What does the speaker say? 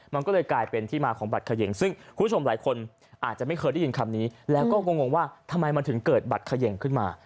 มันก็เลยกลายเป็นที่มาของบัตรเขย่งซึ่งคุณผู้ชมหลายคนอาจจะไม่เคยได้ยินคำนี้แล้วก็งงว่าทำไมมันถึงเกิดบัตรเขย่งขึ้นมา